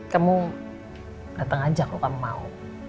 kamu datang aja kalau kamu mau